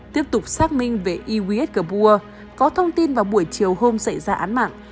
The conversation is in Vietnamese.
tiếp tục xác minh về i w s kabur có thông tin vào buổi chiều hôm xảy ra án mạng